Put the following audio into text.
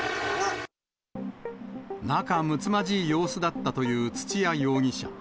仲むつまじい様子だったという土屋容疑者。